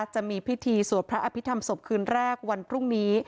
จะมีพิธีสวดพระอภิษฐรรมศพคืนแรกวันพรุ่งนี้